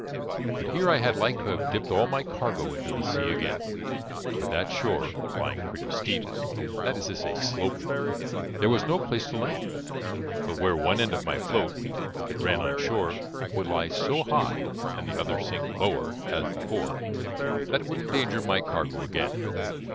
But here I had like to have dipped all my cargo into the sea again; for that shore lying pretty steep that is to say sloping there was no place to land, but where one end of my float, if it ran on shore, would lie so high, and the other sink lower, as before, that it would endanger my cargo again.